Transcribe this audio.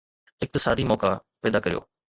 اقتصادي موقعا پيدا ڪريو.